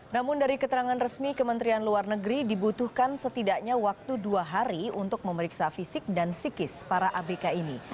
namun dari keterangan resmi kementerian luar negeri dibutuhkan setidaknya waktu dua hari untuk memeriksa fisik dan psikis para abk ini